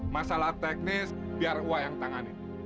masalah teknis biar wak yang tangani